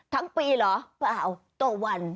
ทั้งปีเหรอเปล่าต่อวัน